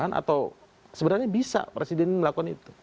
atau sebenarnya bisa presiden melakukan itu